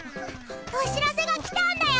おしらせが来たんだよ！